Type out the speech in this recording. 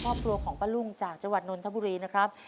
ครอบครัวของป้าลุงจากจนธบุรีนะครับ